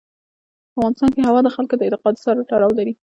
په افغانستان کې هوا د خلکو د اعتقاداتو سره تړاو لري.